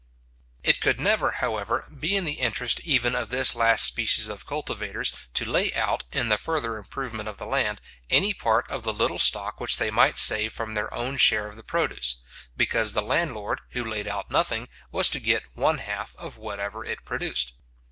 It could never, however, be the interest even of this last species of cultivators, to lay out, in the further improvement of the land, any part of the little stock which they might save from their own share of the produce; because the landlord, who laid out nothing, was to get one half of whatever it produced.